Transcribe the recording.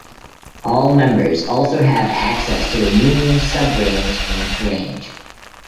All members also have access to a Union sub-branch and branch.